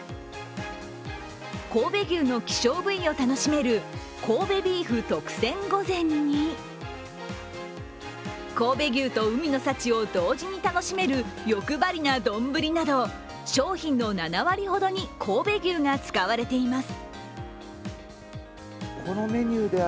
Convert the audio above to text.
神戸牛の希少部位を楽しめる神戸ビーフ特選御前に神戸牛と海の幸を同時に楽しめる欲張りな丼など商品の７割ほどに神戸牛が使われています。